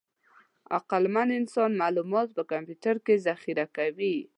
عقلمن انسان معلومات په کمپیوټر کې ذخیره کوي.